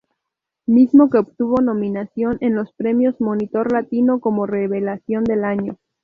Mismo que obtuvo nominación en los premios Monitor Latino como Revelación del año.